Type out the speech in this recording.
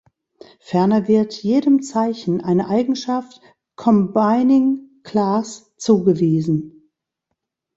Ferner wird jedem Zeichen eine Eigenschaft "Combining Class" zugewiesen.